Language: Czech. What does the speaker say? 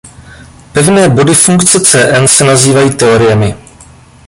Pevné body funkce Cn se nazývají teoriemi.